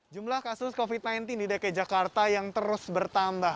jumlah kasus covid sembilan belas di dki jakarta yang terus bertambah